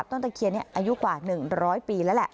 ต้นตะเคียนเนี่ยอายุกว่าหนึ่งร้อยปีแล้วแหละ